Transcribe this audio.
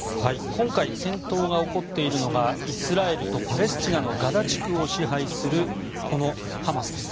今回、戦闘が起こっているのがイスラエルとパレスチナのガザ地区を支配するこのハマスです。